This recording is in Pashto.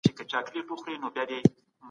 د کینز په اند تقاضا اقتصاد حرکت ته راولي.